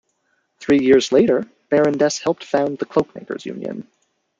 Three years later Barondess helped found the Cloakmakers' Union.